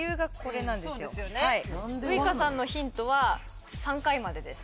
ウイカさんのヒントは３回までです